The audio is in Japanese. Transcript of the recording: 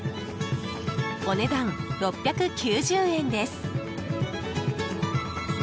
お値段、６９０円です。